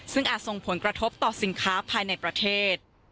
ซึ่งอาจส่งผลกระทบต่อสินค้าภายในประเทศ